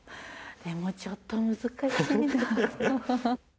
でもちょっと難しい。